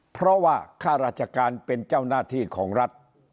เพราะว่าข้าราชการเป็นเจ้าหน้าที่ของรัฐ